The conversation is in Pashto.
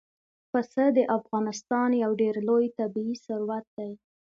پسه د افغانستان یو ډېر لوی طبعي ثروت دی.